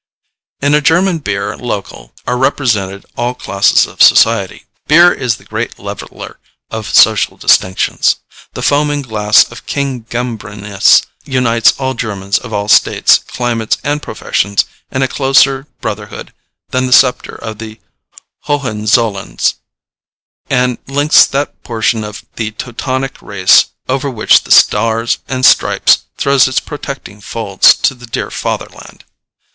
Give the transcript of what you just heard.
In a German Bier Local are represented all classes of society. Beer is the great leveller of social distinctions. The foaming glass of King Gambrinus unites all Germans of all states, climates, and professions in a closer brotherhood than the sceptre of the Hohenzollerns, and links that portion of the Teutonic race over which the stars and stripes throws its protecting folds to the dear fatherland.